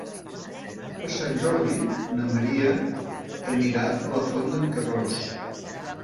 Per Sant Jordi na Maria anirà a la Font d'en Carròs.